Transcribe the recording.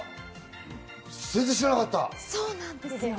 全然知らなかった。